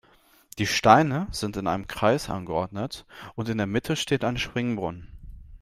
Die Steine sind in einem Kreis angeordnet und in der Mitte steht ein Springbrunnen.